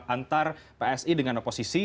antara psi dengan oposisi